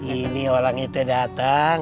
ini orang itu datang